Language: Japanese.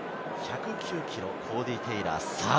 １０９ｋｇのコーディー・テイラーです。